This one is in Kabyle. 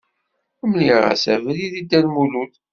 Mliɣ-as abrid i Dda Lmulud.